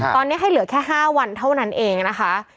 ตอนนี้ให้เหลือแค่๕วันเท่านั้นเองนะคะ